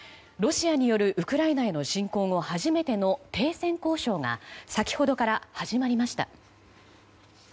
ロシアによるウクライナへの侵攻後初めての停戦交渉が先ほどから始まりました。